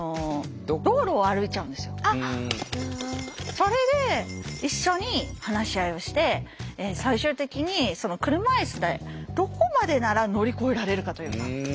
それで一緒に話し合いをして最終的に車いすでどこまでなら乗り越えられるかというか。